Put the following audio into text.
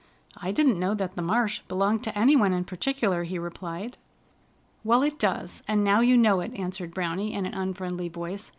"I didn't know that the marsh belonged to any one in particular," he replied. "Well, it does, and now you know it," answered Browny in an unfriendly voice.